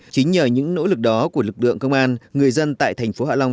chính nhờ những nỗ lực đó của lực lượng công an người dân tại thành phố hạ long